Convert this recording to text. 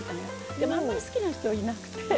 でもあんまり好きな人いなくて。